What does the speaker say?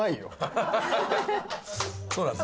そうなんです。